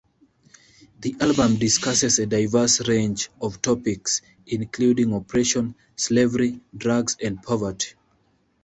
The album discusses a diverse range of topics including oppression, slavery, drugs and poverty.